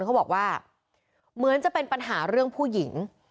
เขาบอกว่าเหมือนจะเป็นปัญหาเรื่องผู้หญิง